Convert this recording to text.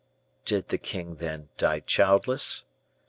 "Did the king, then, die childless?"